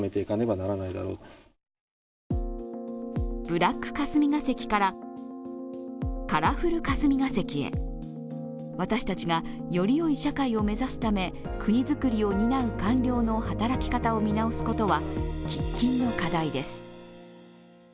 ブラック霞が関からカラフル霞が関へ、私たちが、よりよい社会を目指すため国づくりを担う官僚の働き方を見直すことは喫緊の課題です。